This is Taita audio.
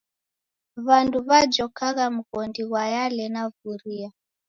W'andu w'ajokagha mghondi ghwa Yale na Vuria.